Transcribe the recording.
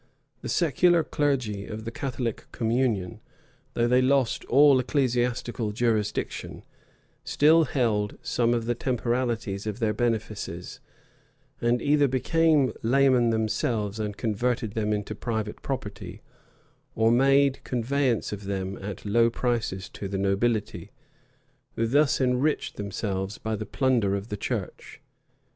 The secular clergy of the Catholic communion, though they lost all ecclesiastical jurisdiction, still held some of the temporalities of their benefices; and either became laymen themselves and converted them into private property, or made conveyance of them at low prices to the nobility, who thus enriched themselves by the plunder of the church.